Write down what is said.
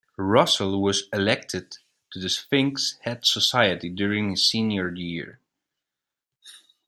Russell was elected to the Sphinx Head Society during his senior year.